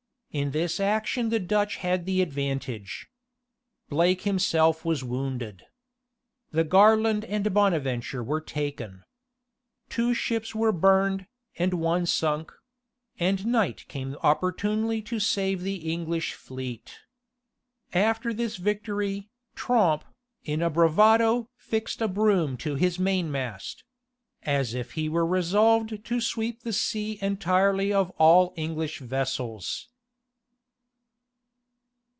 In this action the Dutch had the advantage. Blake himself was wounded. The Garland and Bonaventure were taken. Two ships were burned, and one sunk; and night came opportunely to save the English fleet. After this victory, Tromp, in a bravado fixed a broom to his mainmast; as if he were resolved to sweep the sea entirely of all English vessels.